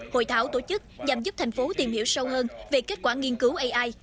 hội thảo tổ chức nhằm giúp thành phố tìm hiểu sâu hơn về kết quả nghiên cứu ai